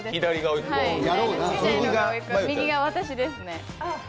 右が私ですね。